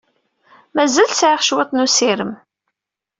Mazal sɛiɣ cwiṭ n ussirem.